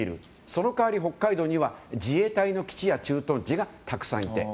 その代わり、北海道には自衛隊の基地や駐屯地がたくさんいて。